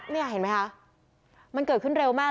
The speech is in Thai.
นี่เห็นไหมคะมันเกิดขึ้นเร็วมาก